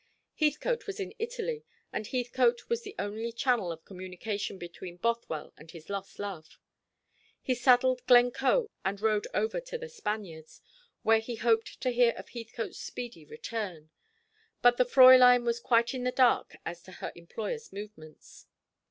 Heathcote was in Italy, and Heathcote was the only channel of communication between Bothwell and his lost love. He saddled Glencoe and rode over to The Spaniards, where he hoped to hear of Heathcote's speedy return; but the Fräulein was quite in the dark as to her employer's movements.